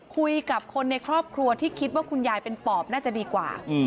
คุยกับคนในครอบครัวที่คิดว่าคุณยายเป็นปอบน่าจะดีกว่า